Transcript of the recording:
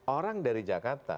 orang dari jakarta